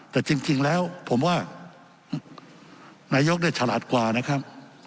แต่จริงแล้วผมว่านายกเนี่ยฉลาดกว่านะครับ